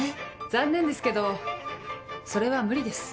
残念ですけどそれは無理です。